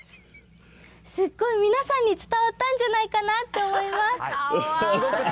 すごい皆さんに伝わったんじゃないかなと思います。